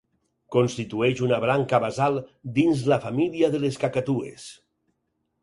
Constitueix una branca basal dins la família de les cacatues.